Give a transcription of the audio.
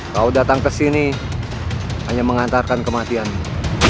kau datang kesini hanya mengantarkan kematianmu